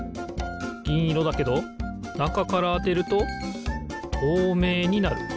ぎんいろだけどなかからあてるととうめいになる。